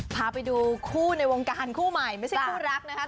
พาไปดูคู่ในวงการคู่ใหม่ไม่ใช่คู่รักนะครับ